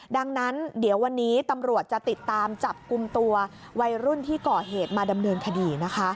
ดังนั้นเดี๋ยววันนี้ตำรวจจะติดตามจับกลุ่มตัววัยรุ่นที่ก่อเหตุมาดำเนินคดีนะคะ